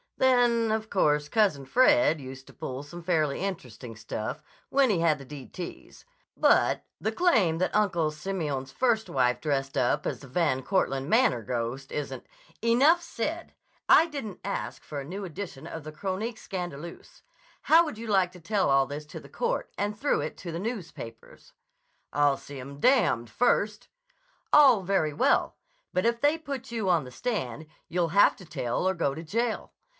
Then, of course, Cousin Fred used to pull some fairly interesting stuff when he had the d t's, but the claim that Uncle Simeon's first wife dressed up as the Van Cortland Manor ghost isn't—" "Enough said! I didn't ask for a new edition of the Chronique Scandaleuse. How would you like to tell all this to the court, and through it to the newspapers?" "I'll see 'em d— d first!" "All very well. But if they put you on the stand, you'll have to tell or go to jail.